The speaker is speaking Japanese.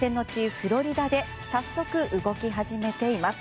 フロリダで早速、動き始めています。